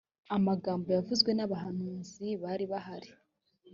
amagambo yavuzwe n abahanuzi bari bahari